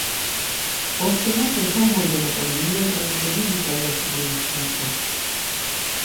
Poste, multaj homoj de Nov-Anglio transloĝiĝis al Nov-Brunsviko.